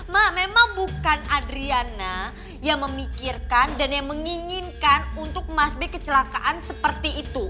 mak memang bukan adriana yang memikirkan dan yang menginginkan untuk masbe kecelakaan seperti itu